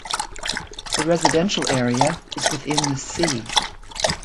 The residential area is within the sea.